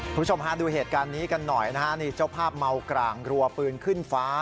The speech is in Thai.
คุณผู้ชมฮะดูเหตุการณ์นี้กันหน่อยนะฮะนี่เจ้าภาพเมากร่างรัวปืนขึ้นฟ้า